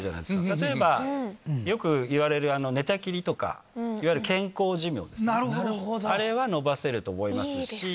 例えば、よくいわれる寝たきりとか、いわゆる健康寿命ですね、あれは延ばせると思いますし。